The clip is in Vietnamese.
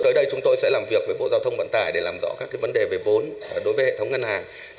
tới đây chúng tôi sẽ làm việc với bộ giao thông vận tải để làm rõ các vấn đề về vốn đối với hệ thống ngân hàng